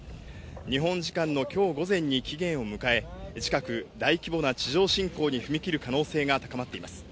日本時間のきょう午前に期限を迎え、近く、大規模な地上侵攻に踏み切る可能性が高まっています。